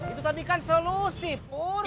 itu tadi kan solusi pun